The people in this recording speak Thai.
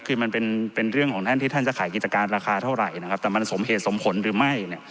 คือมันเป็นเรื่องของท่านที่ท่านจะขายกิจการราคาเท่าไหร่นะครับแต่มันสมเหตุสมผลหรือไม่เนี่ย